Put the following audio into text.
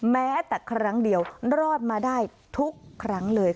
แม้แต่ครั้งเดียวรอดมาได้ทุกครั้งเลยค่ะ